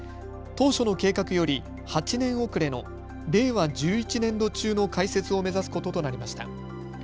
当初の計画より８年遅れの令和１１年度中の開設を目指すこととなりました。